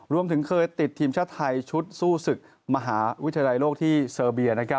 รวมถึงเคยติดทีมชาติไทยชุดสู้ศึกมหาวิทยาลัยโลกที่เซอร์เบีย